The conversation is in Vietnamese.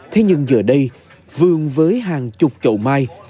thế nhưng giờ đây vườn với hàng chục chậu mai